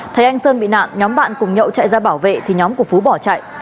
thấy anh sơn bị nạn nhóm bạn cùng nhậu chạy ra bảo vệ thì nhóm của phú bỏ chạy